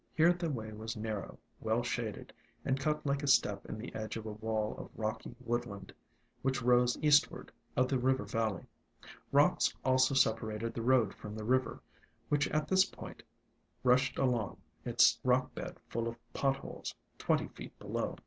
Here the way was narrow, well shaded, and cut like a step in the edge of a wall of rocky woodland, which rose eastward of the river valley. Rocks also separated the road from the river, which 54 ALONG THE WATERWAYS at this point rushed along, its rock bed full of pot holes, twenty feet below.